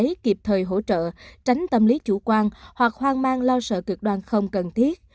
sở y tế kịp thời hỗ trợ tránh tâm lý chủ quan hoặc hoang mang lo sợ cực đoan không cần thiết